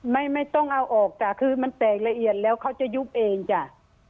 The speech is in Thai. ไม่ต้องเอาออกจ้ะคือมันแตกละเอียดแล้วเขาจะยุบเองจ้ะ